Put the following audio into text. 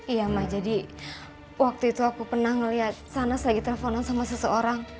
iya ma jadi waktu itu aku pernah ngeliat sanas lagi teleponan sama seseorang